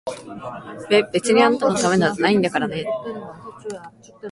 べ、別にあんたのためじゃないんだからね！